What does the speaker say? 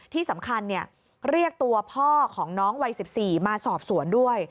ที่สำคัญเรียกตัวพ่อของน้องวัย๑๔มาสอบสวนด้วย